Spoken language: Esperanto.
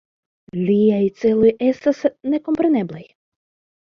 Liaj celoj estas nekompreneblaj.